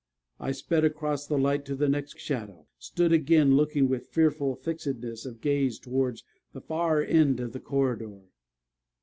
I sped across the light to the next shadow, and stood again, looking with fearful fixedness of gaze towards the far end of the corridor.